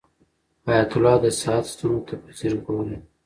حیات الله د ساعت ستنو ته په ځیر ګوري.